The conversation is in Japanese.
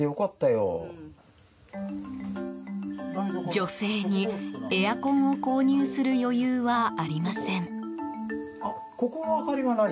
女性に、エアコンを購入する余裕はありません。